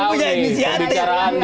tapi itu tidak pantas